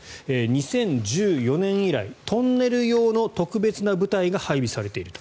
２０１４年以来トンネル用の特別な部隊が配備されていると。